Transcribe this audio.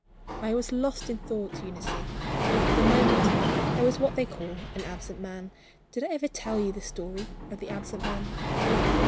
I was lost in thought, Eunice. For the moment, I was what they call an absent man. Did I ever tell you the story of the absent man?